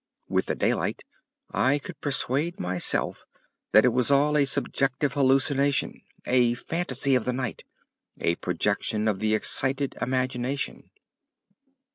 With the daylight I could persuade myself that it was all a subjective hallucination, a fantasy of the night, a projection of the excited imagination.